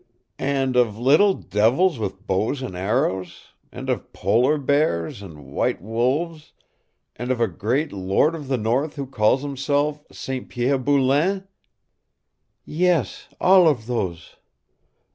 "And of little devils with bows and arrows, and of polar bears, and white wolves, and of a great lord of the north who calls himself St. Pierre Boulain?" "Yes, of all those."